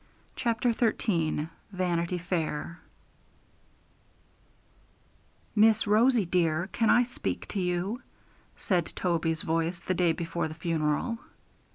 CHAPTER XIII VANITY FAIR 'Miss Rosie dear, can I speak to you?' said Toby's voice, the day before the funeral.